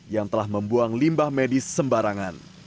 yang telah membuang limbah medis sembarangan